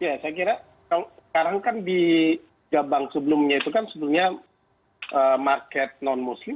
ya saya kira sekarang kan di gabang sebelumnya itu kan sebelumnya market non muslim